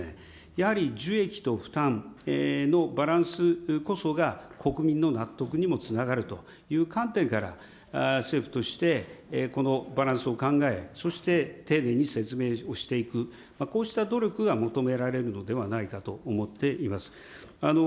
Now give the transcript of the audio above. やはり受益と負担のバランスこそが、国民の納得にもつながるという観点から、政府として、このバランスを考え、そして丁寧に説明をしていく、こうした努力が求められるのではないかと思っています。